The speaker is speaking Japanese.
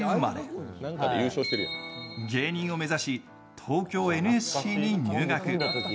芸人を目指し東京ＮＳＣに入学。